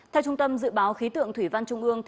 theo trung tâm dự báo khí tượng thủy văn trung ương